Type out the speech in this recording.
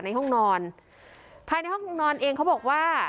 ในห้องนอนภายในห้องนอนเองเขาบอกว่า